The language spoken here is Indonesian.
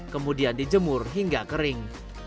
kemudian dijemur hingga kering